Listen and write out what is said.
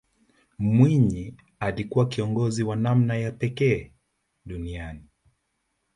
mwinyi alikuwa kiongozi wa namna ya pekee duniani